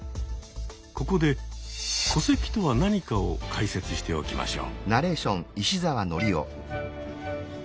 ここで戸籍とは何かを解説しておきましょう。